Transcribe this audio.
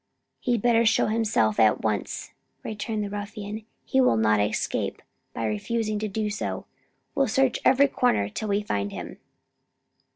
"He'd better show himself at once," returned the ruffian, "he'll not escape by refusing to do so; we'll search every corner till we find him."